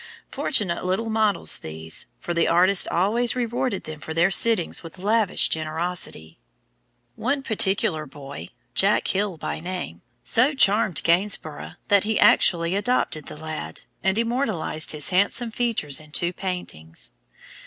Fortunate little models, these; for the artist always rewarded them for their sittings with lavish generosity. [Illustration: RUSTIC CHILDREN. GAINSBOROUGH.] One particular boy, Jack Hill by name, so charmed Gainsborough that he actually adopted the lad, and immortalized his handsome features in two paintings.